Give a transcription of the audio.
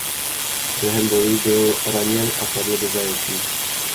Během bojů byl raněn a padl do zajetí.